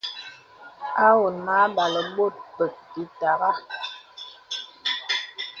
Awɔ̄lə̀ mə âbalə̀ bòt pək ìtagha.